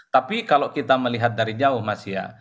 tapi kalau kita melihat dari jauh mas ya